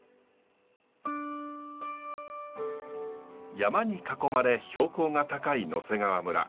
山に囲まれ標高が高い野迫川村。